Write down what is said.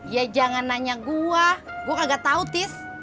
ya jangan nanya gua gua kagak tau tis